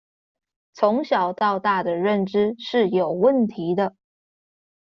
從小到大的認知是有問題的